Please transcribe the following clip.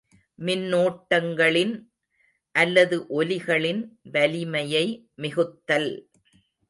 மின்னோட்டங்களின் அல்லது ஒலிகளின் வலிமையை மிகுத்தல்.